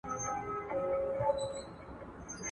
زما پر لاره برابر راسره مه ځه.